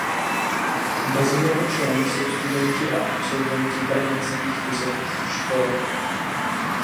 Mezi jeho členy jsou studenti a absolventi brněnských vysokých škol.